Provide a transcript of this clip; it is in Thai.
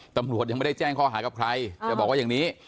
ตำรวจยังไม่ได้แจ้งข้อหากับใครจะบอกว่าอย่างนี้